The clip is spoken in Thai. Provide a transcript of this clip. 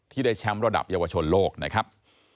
ได้แชมป์ระดับเยาวชนโลกนะครับ